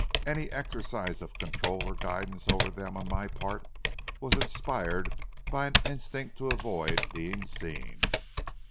Any exercise of control or guidance over them on my part was inspired by an instinct to avoid being seen.